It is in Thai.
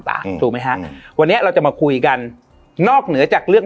ถูกไหมฮะวันนี้เราจะมาคุยกันนอกเหนือจากเรื่อง